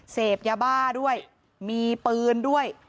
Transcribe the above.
เสพยาบ้าด้วยมีปืนด้วย